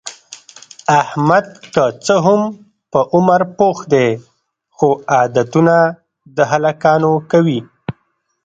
احمد که څه هم په عمر پوخ دی، خو عادتونه د هلکانو کوي.